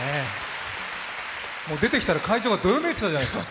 出てきたら会場がどよめいていたじゃないですか。